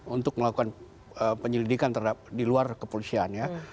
untuk melakukan penyelidikan di luar kepolisiannya